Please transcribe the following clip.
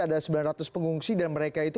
ada sembilan ratus pengungsi dan mereka itu